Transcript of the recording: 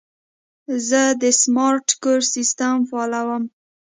زه د سمارټ کور سیسټم فعالوم.